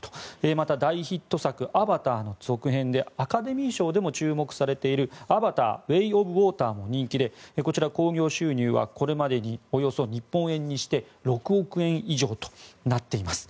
また、大ヒット作「アバター」の続編でアカデミー賞でも注目されている「アバター：ウェイ・オブ・ウォーター」も人気でこちら興行収入はこれまでにおよそ日本円にして６億円以上となっています。